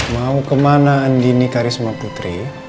mau kemana andini karisma putri